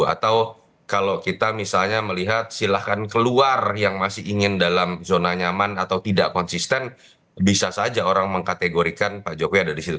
atau kalau kita misalnya melihat silahkan keluar yang masih ingin dalam zona nyaman atau tidak konsisten bisa saja orang mengkategorikan pak jokowi ada di situ